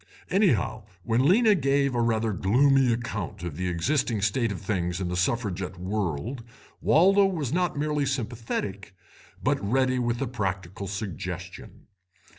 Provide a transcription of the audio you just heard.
Anyhow, when Lena gave a rather gloomy account of the existing state of things in the Suffragette World, Waldo was not merely sympathetic but ready with a practical suggestion.